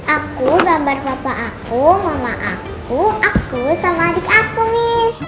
aku gambar bapak aku mama aku aku sama adik aku nih